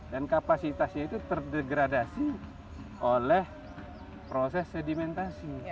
dan kapasitasnya itu terdegradasi oleh proses sedimentasi